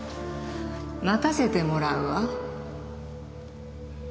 待たせてもらうわ。